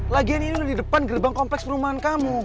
lagian ini udah di depan gerbang kompleks perumahan kamu